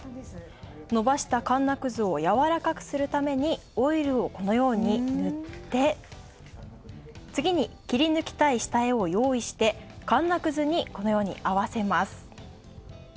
伸ばしたカンナ屑をやわらかくするためにオイルをこのように塗って、次に切り抜きたい下絵を用意して、カンナ屑に、このように合わせます。